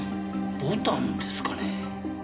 ボタンですかね？